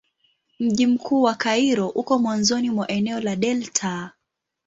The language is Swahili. Mji mkuu wa Kairo uko mwanzoni mwa eneo la delta.